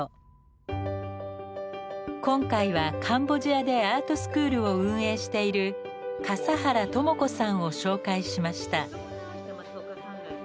今回はカンボジアでアートスクールを運営している笠原知子さんを紹介しました。